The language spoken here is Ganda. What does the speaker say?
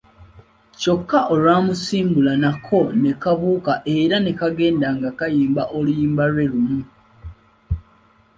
Kyokka olwamusiibula nako ne kabuuka era ne kagenda nga kayimba oluyimba lwe lumu.